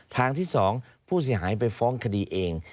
ทางที่๒ผู้เสียหายไปฟ้องคดีเอง